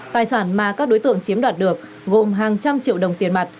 tài sản mà các đối tượng chiếm đoạt được gồm hàng trăm triệu đồng tiền mặt